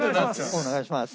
お願いします。